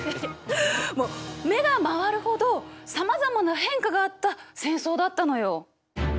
もう目が回るほどさまざまな変化があった戦争だったのよ。